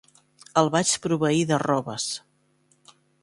El vaig proveir de robes.